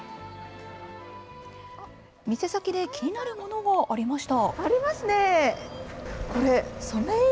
店先で気になるものがありました。